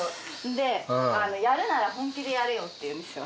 でやるなら本気でやれよって言うんですよ。